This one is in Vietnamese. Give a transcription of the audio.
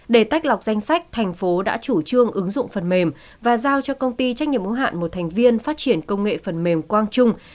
để tách lọc danh sách thành phố đã chủ trương ứng dụng phần mềm và giao cho công ty trách nhiệm ủng hạn một thành viên phát triển công nghệ phần mềm quang trung